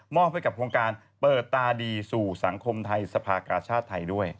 ให้กับโครงการเปิดตาดีสู่สังคมไทยสภากาชาติไทยด้วย